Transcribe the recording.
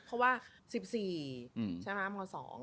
เพราะว่า๑๔ใช่ไหมม๒